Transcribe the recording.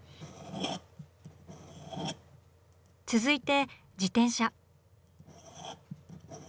続いて自転車。